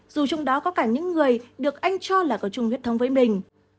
dù trong đó có cả những người được anh cho là có chung huyết thống với mình